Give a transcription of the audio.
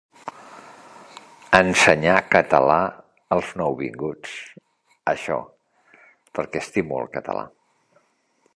Ensenyar català als nouvinguts, això, perquè estimo el català.